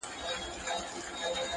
دا به ټوله حاضریږي په میدان کي!